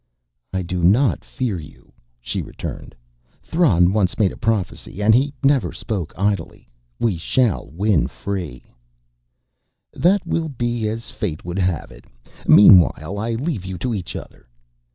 "I do not fear you," she returned. "Thran once made a prophecy, and he never spoke idly. We shall win free " "That will be as fate would have it. Meanwhile, I leave you to each other."